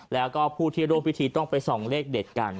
แล้วก็ผู้ที่ร่วมพิธีต้องไปส่องเลขเด็ดกัน